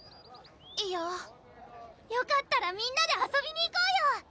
いやよかったらみんなで遊びに行こうよ！